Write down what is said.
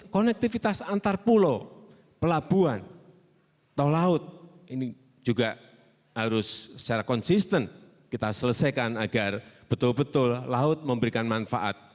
konektivitas antar pulau pelabuhan tol laut ini juga harus secara konsisten kita selesaikan agar betul betul laut memberikan manfaat